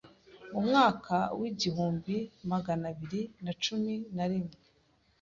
mu mwaka wa igihumbi magana biri na cumi na rimwe